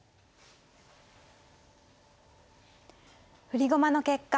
振り駒の結果